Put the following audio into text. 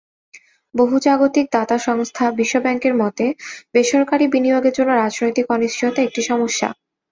বহুজাতিক দাতা সংস্থা বিশ্বব্যাংকের মতে, বেসরকারি বিনিয়োগের জন্য রাজনৈতিক অনিশ্চয়তা একটি সমস্যা।